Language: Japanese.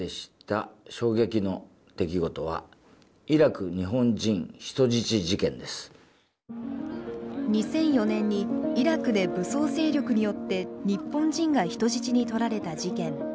僕あの時思ったのはやっぱ２００４年にイラクで武装勢力によって日本人が人質に取られた事件。